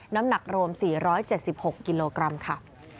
น้ำหนักรวม๔๗๖กิโลกรัมค่ะ